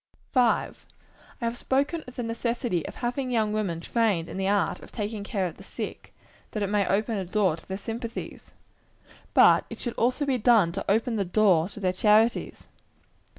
5. I have spoken of the necessity of having young women trained to the art of taking care of the sick, that it may open a door to their sympathies. But it should also be done to open the door to their charities.